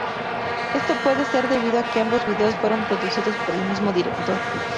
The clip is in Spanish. Esto puede ser debido a que ambos vídeos fueron producidos por el mismo director.